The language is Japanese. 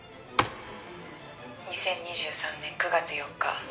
２０２３年９月４日。